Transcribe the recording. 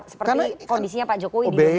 seperti kondisinya pak jokowi di indonesia